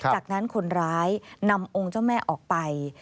จากนั้นคนร้ายนำองค์เจ้าแม่ออกไป